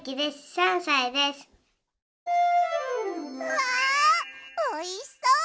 うわおいしそう！